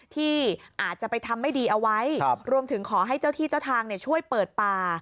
ที่อาจจะไปทำไม่ดีเอาไว้รวมถึงขอให้เจ้าที่เจ้าทางช่วยเปิดป่า